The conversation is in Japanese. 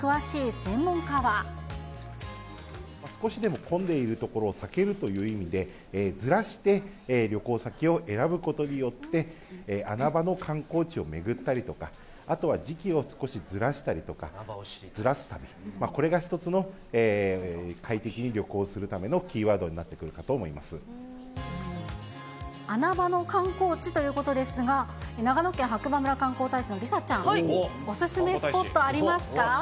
少しでも混んでいる所を避けるという意味で、ずらして旅行先を選ぶことによって、穴場の観光地を巡ったりとか、あとは、時期を少しずらしたりとか、ズラす旅、これが一つの快適に旅行するためのキーワードになってくるかと思穴場の観光地ということですが、長野県白馬村観光大使の梨紗ちゃん、お勧めスポットありますか？